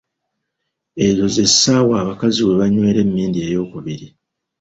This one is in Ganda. Ezo ze ssaawa abakazi webanywera emmindi ey'okubiri.